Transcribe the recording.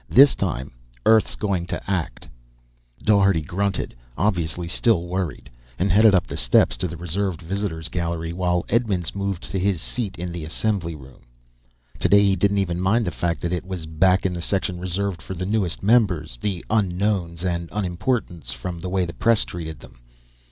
This time, Earth's going to act." Daugherty grunted, obviously still worried, and headed up the steps to the reserved Visitors' Gallery, while Edmonds moved to his seat in the assembly room. Today he didn't even mind the fact that it was back in the section reserved for the newest members the unknowns and unimportants, from the way the press treated them.